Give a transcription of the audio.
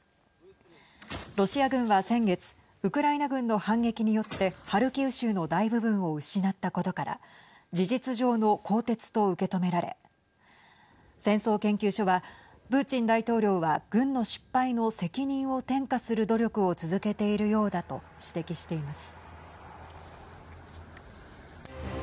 ロシア軍は先月ウクライナ軍の反撃によってハルキウ州の大部分を失ったことから事実上の更迭と受け止められ戦争研究所は、プーチン大統領は軍の失敗の責任を転嫁する努力を続けているようだと指摘しています。